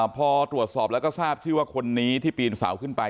พอตรวจสอบแล้วก็ทราบชื่อว่าคนนี้ที่ปีนเสาขึ้นไป